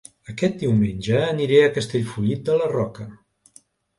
Aquest diumenge aniré a Castellfollit de la Roca